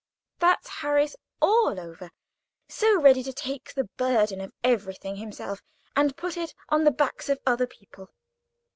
That's Harris all over—so ready to take the burden of everything himself, and put it on the backs of other people.